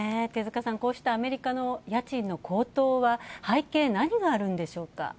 手塚さん、こうしたアメリカの家賃の高騰、背景は何があるんでしょうか。